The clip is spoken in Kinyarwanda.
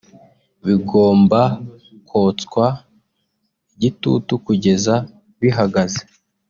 bigomba kotswa igitutu kugeza bihagaze